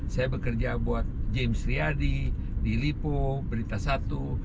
saya bekerja buat james riyadi dilipo berita satu